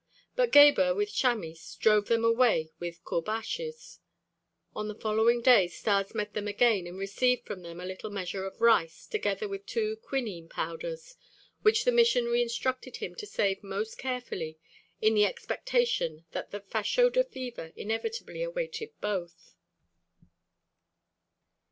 But Gebhr with Chamis drove them away with courbashes. On the following day Stas met them again and received from them a little measure of rice together with two quinine powders, which the missionary instructed him to save most carefully in the expectation that in Fashoda fever inevitably awaited both.